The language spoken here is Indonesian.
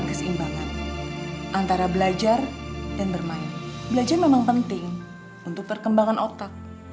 keisha pengen main sama bunda